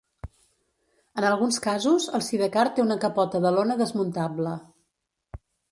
En alguns casos el sidecar té una capota de lona desmuntable.